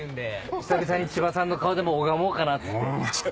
久々に千葉さんの顔でも拝もうかなっつって。